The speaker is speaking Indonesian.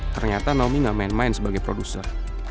ternyata naomi gak main main sebagai produser